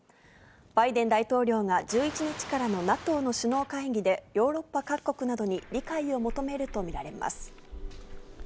バイデン大統領が１１日からのＮＡＴＯの首脳会議で、ヨーロッパ各国などに理解を求めると見られます。